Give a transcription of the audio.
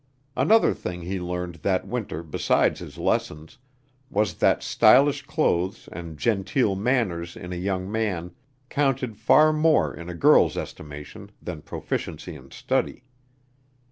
Another thing he learned that winter besides his lessons, was that stylish clothes and genteel manners in a young man counted far more in a girl's estimation than proficiency in study.